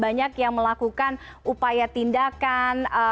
banyak yang melakukan upaya tindakan